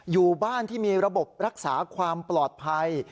อยู่บ้านที่มีระบบรักษาความปลอดภัย